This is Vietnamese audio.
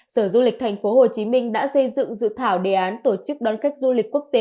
sở du lịch tp hcm đã xây dựng dự thảo đề án tổ chức đón khách du lịch quốc tế